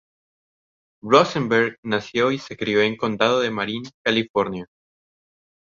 Rosenberg nació y se crio en Condado de Marin, California.